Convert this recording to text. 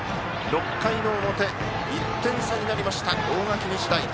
６回の表、１点差になりました大垣日大。